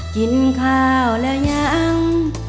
กินข้าวแล้วยัง